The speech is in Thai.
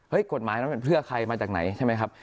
กฎหมายนั้นเป็นเพื่อใครมาจากไหนใช่ไหมครับ